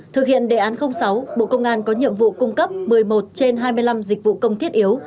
thực hiện đề án sáu bộ công an có nhiệm vụ cung cấp một mươi một trên hai mươi năm dịch vụ công thiết yếu